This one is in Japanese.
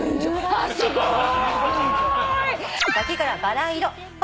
あすごい！